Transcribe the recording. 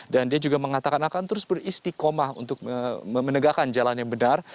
dan dia juga mengatakan akan terus beristikomah untuk menegakkan jalan yang benar